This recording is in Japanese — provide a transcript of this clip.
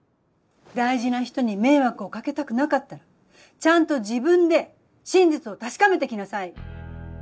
大事な人に迷惑をかけたくなかったらちゃんと自分で真実を確かめてきなさい。